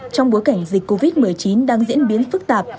trong bối cảnh dịch covid một mươi chín đang diễn biến phức tạp